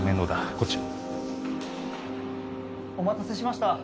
こっちお待たせしました